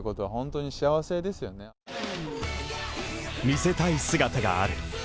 見せたい姿がある。